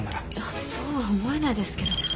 いやそうは思えないですけど。